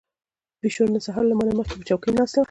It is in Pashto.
پيشو نن سهار له ما نه مخکې په چوکۍ ناسته وه.